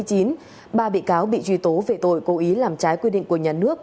và bốn bị cáo bị truy tố về tội cố ý làm trái quy định của nhà nước